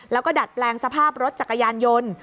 แล้วก็ดัดแปลงสภาพรถจักรยานยนต์